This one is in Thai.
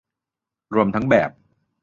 รวมทั้งแบบ